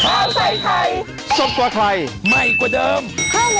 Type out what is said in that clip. ข้าวใส่ไทยสอบกว่าใครใหม่กว่าเดิมค่อยเมื่อล่า